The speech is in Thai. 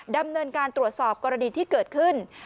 ดำเนินการตรวจสอบกรณีที่เกิดขึ้น